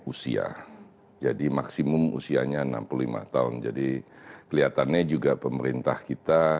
usia jadi maksimum usianya enam puluh lima tahun jadi kelihatannya juga pemerintah kita